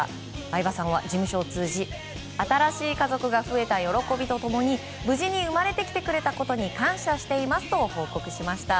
相葉さんは事務所を通じ新しい家族が増えた喜びと共に無事に生まれてきてくれたことに感謝していますと報告しました。